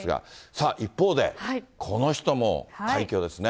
さあ、一方でこの人も快挙ですね。